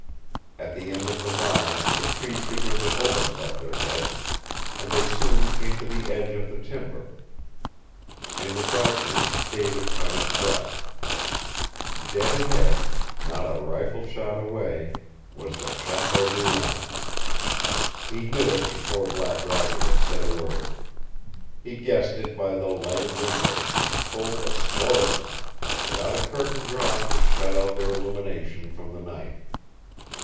At the end of the mile the trees began to open above their heads, and they soon came to the edge of the timber. In the darkness David caught his breath. Dead ahead, not a rifle shot away, was the Chateau Boulain. He knew it before Black Roger had said a word. He guessed it by the lighted windows, full a score of them, without a curtain drawn to shut out their illumination from the night.